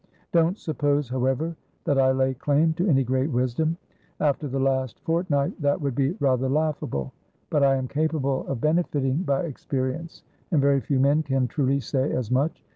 Don't suppose, however, that I lay claim to any great wisdom; after the last fortnight, that would be rather laughable. But I am capable of benefiting by experience, and very few men can truly say as much.